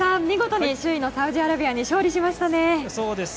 見事に首位のサウジアラビアに勝利しましたね。